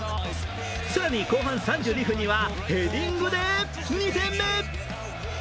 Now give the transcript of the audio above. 更に後半３２分には、ヘディングで２点目！